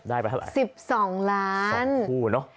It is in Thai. ได้ไปเท่าไหร่สิบสองล้านสองคู่เนอะ